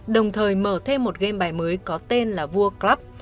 đồng thời mở thêm một game bài mới có tên là vua club